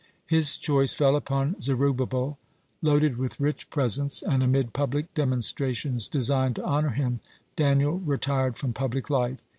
His choice fell upon Zerubbabel. Loaded with rich presents and amid public demonstrations designed to honor him, Daniel retired from public life.